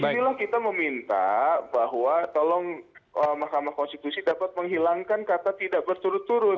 disinilah kita meminta bahwa tolong mahkamah konstitusi dapat menghilangkan kata tidak berturut turut